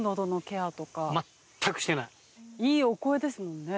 いいお声ですもんね。